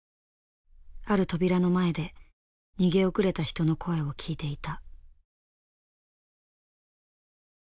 ある扉の前で逃げ遅れた人の声を聞いていた。